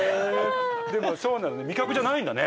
でもそうなんだ味覚じゃないんだね。